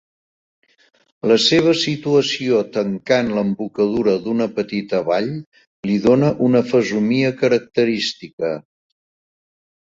La seva situació tancant l'embocadura d'una petita vall li dóna una fesomia característica.